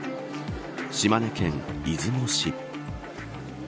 島根県出雲市。